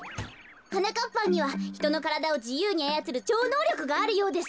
はなかっぱんにはひとのからだをじゆうにあやつるちょうのうりょくがあるようです。